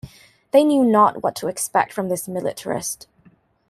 They knew not what to expect from this militarist.